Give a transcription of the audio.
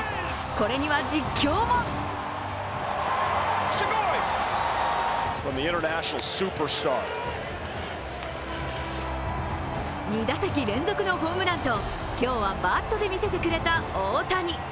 これには実況も２打席連続のホームランと今日はバットで見せてくれた大谷。